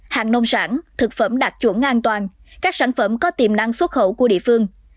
hàng nông sản thực phẩm đạt chuẩn an toàn các sản phẩm có tiềm năng xuất khẩu của địa phương